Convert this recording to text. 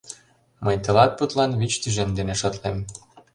Мый тылат пудлан вич тӱжем дене шотлем.